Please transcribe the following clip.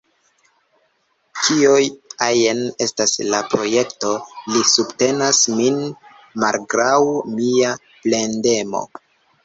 Kio ajn estas la projekto, li subtenas min malgraŭ mia plendemo.